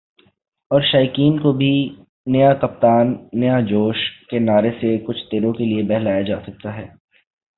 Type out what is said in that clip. اور شائقین کو بھی "نیا کپتان ، نیا جوش" کے نعرے سے کچھ دنوں کے لیے بہلایا جاسکتا ہے ۔